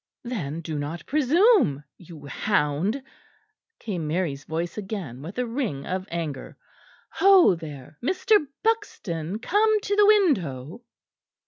"Then do not presume, you hound," came Mary's voice again, with a ring of anger. "Ho, there, Mr. Buxton, come to the window."